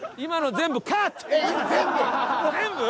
全部？